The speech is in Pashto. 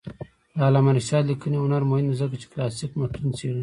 د علامه رشاد لیکنی هنر مهم دی ځکه چې کلاسیک متون څېړي.